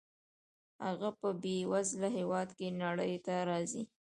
هغه په بې وزله هېواد کې نړۍ ته راځي.